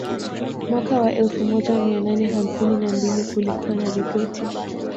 Mwaka wa elfu moja mia nane hamsini na mbili kulikuwa na ripoti